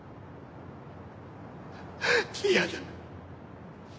嫌だ。